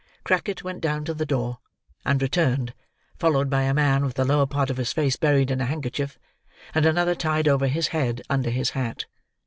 Crackit went down to the door, and returned followed by a man with the lower part of his face buried in a handkerchief, and another tied over his head under his hat.